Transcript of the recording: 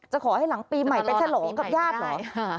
ขอให้หลังปีใหม่ไปฉลองกับญาติหน่อย